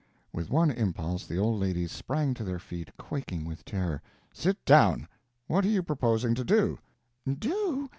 With one impulse the old ladies sprang to their feet, quaking with terror. "Sit down! What are you proposing to do?" "Do?